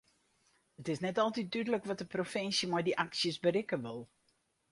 It is net altyd dúdlik wat de provinsje met dy aksjes berikke wol.